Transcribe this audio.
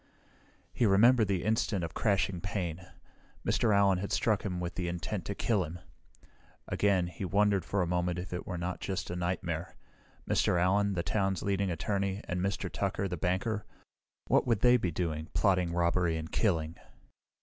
He remembered the instant of crashing pain. Mr. Allen had struck with the intent to kill him. Again, he wondered for a moment if it were not just a nightmare. Mr. Allen, the town's leading attorney, and Mr. Tucker, the banker what would they be doing, plotting robbery and killing?